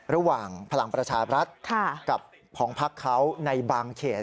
ระหว่างพลังประชาบรัฐกับของพักเขาในบางเขต